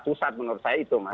itu sangat menurut saya itu mas